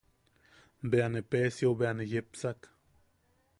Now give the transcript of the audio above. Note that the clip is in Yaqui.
Bea ne Peesiou bea ne yepsak.